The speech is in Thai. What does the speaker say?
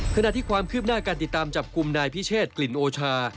ขณะที่ความคืบหน้าการติดตามจับกลุ่มนายพิเชษกลิ่นโอชา